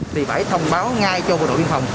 thì phải thông báo ngay cho bộ đội biên phòng